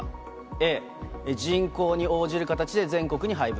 Ａ、人口に応じる形で全国に配分。